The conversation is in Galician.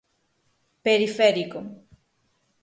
Periférico.